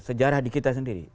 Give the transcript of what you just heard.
sejarah di kita sendiri